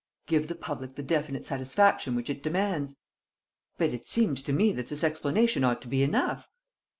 "Give the public the definite satisfaction which it demands." "But it seems to me that this explanation ought to be enough.